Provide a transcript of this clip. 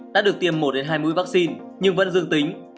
đã được tiêm một hai mũi vaccine nhưng vẫn dương tính